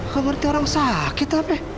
gak ngerti orang sakit ameh